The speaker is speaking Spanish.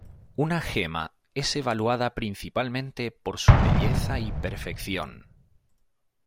Una gema es evaluada principalmente por su belleza y perfección.